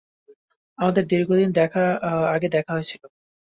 আমাদের দীর্ঘদিন আগে দেখা হয়েছিল।